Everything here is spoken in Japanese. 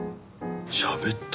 しゃべった。